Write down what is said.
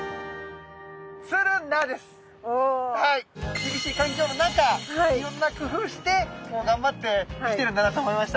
厳しい環境の中いろんな工夫して頑張って生きてるんだなと思いました。